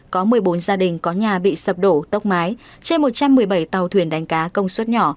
có một mươi bốn gia đình có nhà bị sập đổ tốc mái trên một trăm một mươi bảy tàu thuyền đánh cá công suất nhỏ